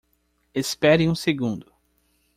Espere um segundo.